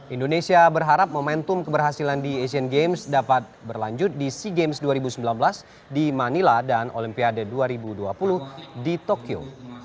indonesia berharap momentum keberhasilan di asian games dapat berlanjut di sea games dua ribu sembilan belas di manila dan olimpiade dua ribu dua puluh di tokyo